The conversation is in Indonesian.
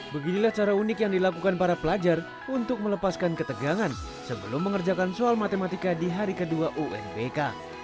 beginilah cara unik yang dilakukan para pelajar untuk melepaskan ketegangan sebelum mengerjakan soal matematika di hari kedua unbk